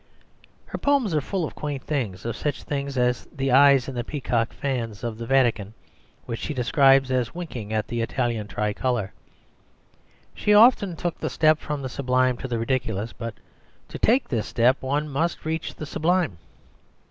Her poems are full of quaint things, of such things as the eyes in the peacock fans of the Vatican, which she describes as winking at the Italian tricolor. She often took the step from the sublime to the ridiculous: but to take this step one must reach the sublime.